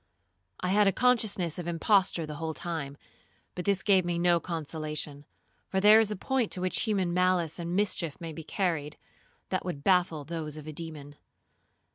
I had a consciousness of imposture the whole time, but this gave me no consolation, for there is a point to which human malice and mischief may be carried, that would baffle those of a demon.